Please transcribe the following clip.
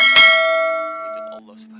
daripada pemilik ilmu yang sederhana